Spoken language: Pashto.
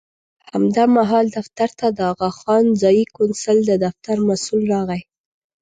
همدا مهال دفتر ته د اغاخان ځایي کونسل د دفتر مسوول راغی.